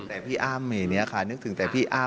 แต่พี่อ้ำอย่างนี้ค่ะนึกถึงแต่พี่อ้ำ